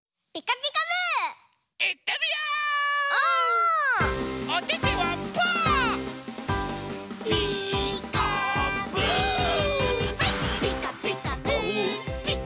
「ピカピカブ！ピカピカブ！」